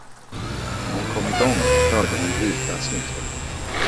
När hon kom i gången, hörde hon Brita snyfta.